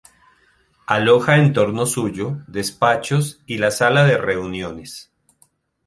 Aloja en torno suyo despachos y la sala de reuniones.